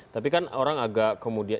tapi kan orang agak kemudian